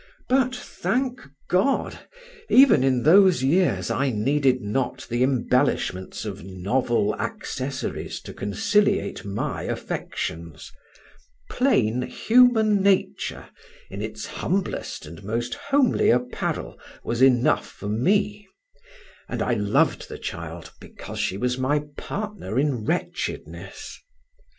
But, thank God! even in those years I needed not the embellishments of novel accessories to conciliate my affections: plain human nature, in its humblest and most homely apparel, was enough for me, and I loved the child because she was my partner in wretchedness.